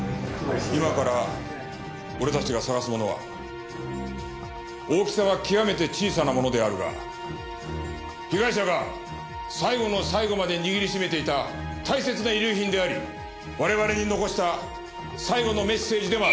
今から俺たちが捜すものは大きさは極めて小さなものであるが被害者が最後の最後まで握りしめていた大切な遺留品であり我々に残した最後のメッセージでもある。